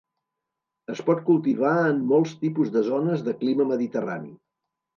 Es pot cultivar en molts tipus de zones de clima mediterrani.